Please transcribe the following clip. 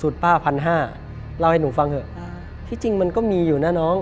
ป้าพันห้าเล่าให้หนูฟังเถอะที่จริงมันก็มีอยู่นะน้อง